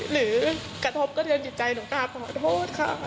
หรือกระทบกระเทือนจิตใจหนูกราบขอโทษค่ะ